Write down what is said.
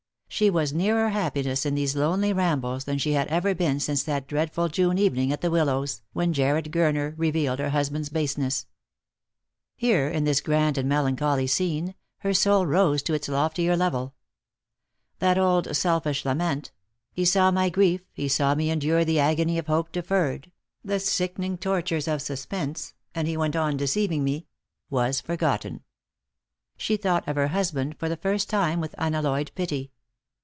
She was nearer happiness in these lonely rambles than she had ever been since that dreadful June evening at the Willows, when Jarred Gurner revealed her husband's baseness. Here, in this grand and melancholy scene, her soul rose to its loftier level. That old selfish lament —" He saw my grief, he saw me endure the agony of hope deferred, the sickening tortures of suspense, and he went on deceiving me "— was for gotten. She thought of her husband for the first time with unalloyed pity.